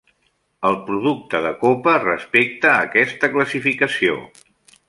El producte de copa respecta aquesta classificació.